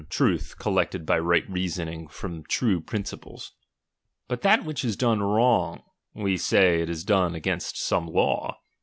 r ID truth collected by right reasoning from true | (uples. But that which is done wrong, we say it ia done against some law.